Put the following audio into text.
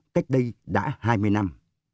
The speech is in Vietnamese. cách đây đã hai mươi năm